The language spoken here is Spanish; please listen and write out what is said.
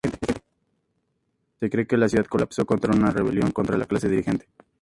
Se cree que la ciudad colapsó con una rebelión contra la clase dirigente.